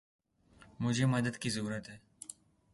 مجھے مدد کی ضرورت ہے۔